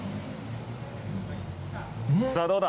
さぁどうだ。